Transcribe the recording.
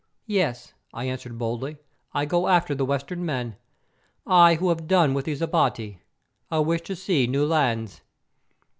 "Yes," I answered boldly, "I go after the Western men; I who have done with these Abati. I wish to see new lands."